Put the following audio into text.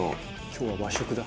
「今日は和食だ」